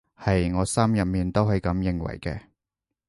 係，我心入面都係噉認為嘅